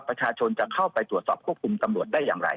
ประชาชนจะเข้าไปตรวจสอบควบคุมตำรวจได้อย่างไร